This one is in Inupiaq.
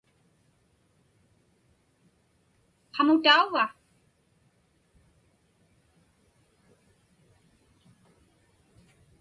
Qamutauva?